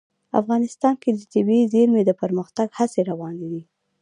افغانستان کې د طبیعي زیرمې د پرمختګ هڅې روانې دي.